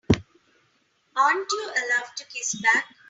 Aren't you allowed to kiss back?